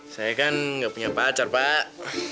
saya kan nggak punya pacar pak